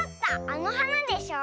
あのはなでしょ。